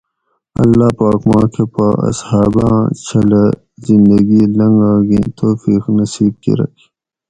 اللّٰہ پاک ما کہ پا اصحاباۤں چھلہ زندگی لنگا گیں توفیق نصیب کرگ